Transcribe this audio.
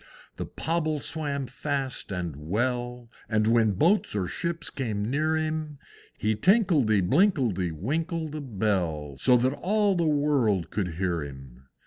The Pobble swam fast and well, And when boats or ships came near him, He tinkledy binkledy winkled a bell So that all the world could hear him.